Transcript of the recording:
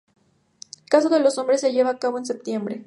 Caso de los hombres se lleva a cabo en septiembre.